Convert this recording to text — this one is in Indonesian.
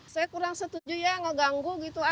saya kurang setuju ya ngeganggu gitu